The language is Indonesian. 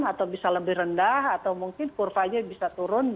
atau bisa lebih rendah atau mungkin kurvanya bisa turun